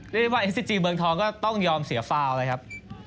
เรียกได้ว่าเอสซิจีเมืองทองก็ต้องยอมเสียฟาวเลยครับ